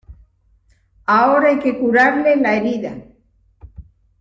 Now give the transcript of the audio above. ahora hay que curarle la herida.